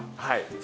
はい。